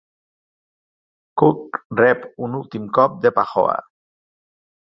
Cook rep un últim cop de pahooa.